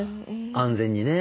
安全にね。